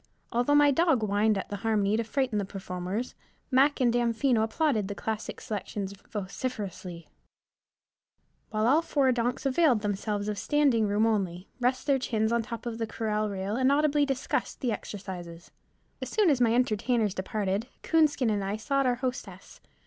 Although my dog whined at the harmony to frighten the performers, Mac and Damfino applauded the classic selections vociferously, while all four donks availed themselves of standing room only, rest their chins on the top corral rail, and audibly discussed the exercises. As soon as my entertainers departed, Coonskin and I sought our hostess.